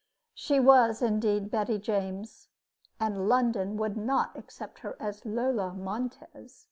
She was, indeed, Betty James, and London would not accept her as Lola Montez.